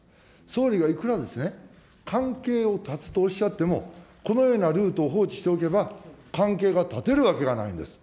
総理がいくらですね、関係を断つとおっしゃっても、このようなルートを放置しておけば、関係が断てるわけがないんです。